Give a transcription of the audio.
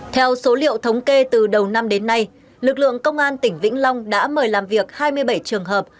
theo số liệu thống kê từ đầu năm đến nay lực lượng công an tỉnh vĩnh long đã mời làm việc hai mươi bảy trường hợp